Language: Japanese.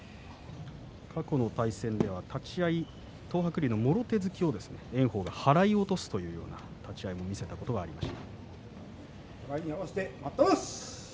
過去の対戦では立ち合い東白龍のもろ手それを炎鵬が払い落とすという立ち合いを見せたこともあります。